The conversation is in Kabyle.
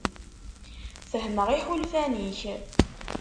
Fehmeɣ iḥulfan-ik.